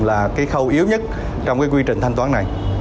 là cái khâu yếu nhất trong cái quy trình thanh toán này